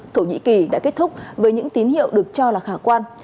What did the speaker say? thổ nhĩ kỳ đã kết thúc với những tín hiệu được cho là khả quan